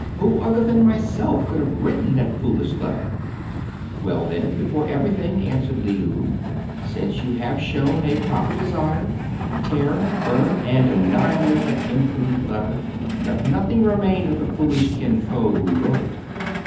"Who other than myself could have written that foolish letter ?" "Well, then, before every thing," . answered Le ou, "since you have shown a proper desire, tear, burn, and annihilate that imprudent letter. Let nothing remain of the foolish Kin Fo who wrote it."